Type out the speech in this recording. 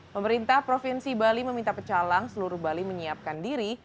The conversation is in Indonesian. pemerintah provinsi bali meminta pecalang seluruh bali menyiapkan diri